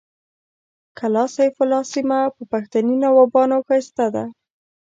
کلا سیف الله سیمه په پښتني نوابانو ښایسته ده